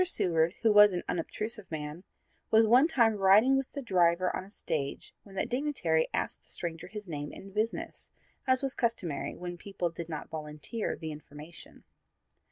Seward, who was an unobtrusive man, was one time riding with the driver on a stage when that dignitary asked the stranger his name and business, as was customary when people did not volunteer the information.